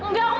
gak usah gr